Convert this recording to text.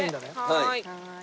はい。